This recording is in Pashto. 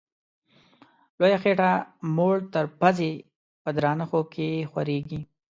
لویه خېټه موړ تر پزي په درانه خوب کي خوریږي